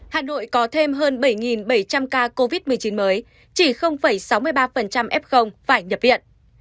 hà nội có thêm hơn bảy bảy trăm linh ca covid một mươi chín mới chỉ sáu mươi ba f phải nhập viện